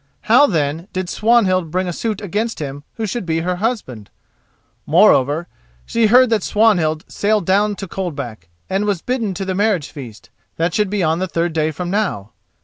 How, then, did Swanhild bring a suit against him who should be her husband? Moreover, she heard that Swanhild sailed down to Coldback, and was bidden to the marriage feast, that should be on the third day from now.